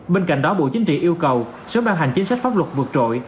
bên cạnh đó bộ chính trị yêu cầu sớm ban hành chính sách pháp luật vượt trội